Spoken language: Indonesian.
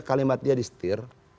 kalimat dia di setir